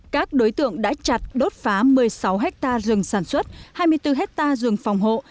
các đối tượng đã chặt đốt phá một mươi sáu ha rừng sản xuất hai mươi bốn hectare rừng phòng hộ